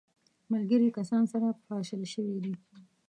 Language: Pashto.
ملګري کسان سره پاشل سوي دي.